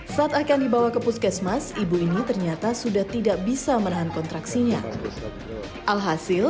saat akan dibawa ke puskesmas ibu ini ternyata sudah tidak bisa menahan kontraksinya alhasil